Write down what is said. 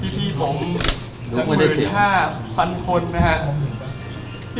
พี่ผม๑๕๐๐๐คนนะครับ